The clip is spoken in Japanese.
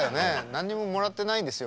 何にももらってないですよ